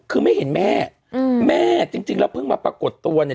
คือไม่เห็นแม่อืมแม่แม่จริงจริงแล้วเพิ่งมาปรากฏตัวเนี่ย